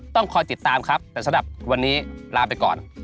ต้องคอยติดตามครับแต่สำหรับวันนี้ลาไปก่อน